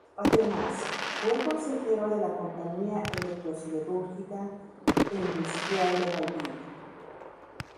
Además, fue Consejero de la Compañía Electro-Siderúrgica e Industrial de Valdivia.